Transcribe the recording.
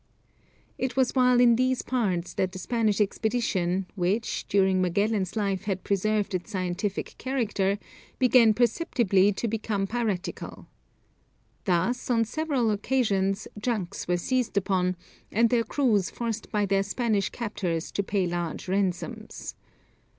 It was while in these parts that the Spanish expedition, which, during Magellan's life had preserved its scientific character, began perceptibly to become piratical. Thus, on several occasions, junks were seized upon, and their crews forced by their Spanish captors to pay large ransoms.